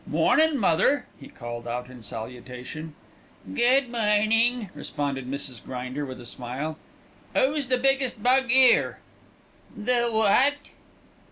"Mornin', mother," he called out in salutation. "Good morning," responded Mrs. Grinder with a smile. "'Oo's the biggest bug 'ere?" "The what?"